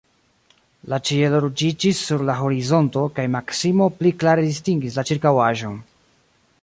La ĉielo ruĝiĝis sur la horizonto, kaj Maksimo pli klare distingis la ĉirkaŭaĵon.